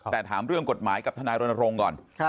แต่ถามเรื่องกฎหมายกับทนายรณรงค์ก่อน